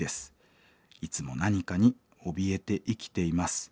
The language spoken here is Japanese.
いつも何かにおびえて生きています。